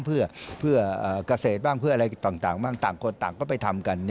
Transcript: เพื่อเกษตรบ้างเพื่ออะไรต่างบ้างต่างคนต่างก็ไปทำกัน